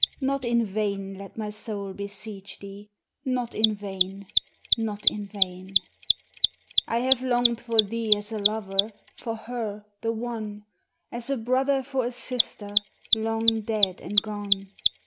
Not in vain let my soul beseech thee! Not in vain! not in vain! II I have longed for thee as a lover For her, the one; As a brother for a sister Long dead and gone.